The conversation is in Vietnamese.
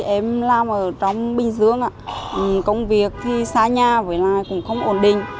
em làm ở trong binh dưỡng công việc xa nhà không ổn định